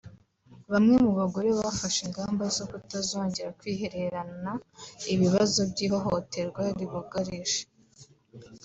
Bamwe mu bagore bafashe ingamba zo kutazongera kwihererana ibibazo by’ihohoterwa ribugarije